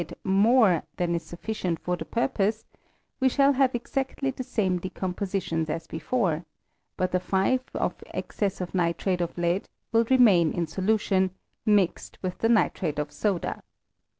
281 kid more than is sufficient for the purpose; we shall haTe exactly the same decompositions as before; but the 5 of excess of nitrate of lead will remain in solution, mixed with the nitrate of soda.